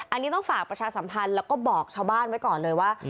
อันนี้ต้องฝากประชาสัมพันธ์แล้วก็บอกชาวบ้านไว้ก่อนเลยว่า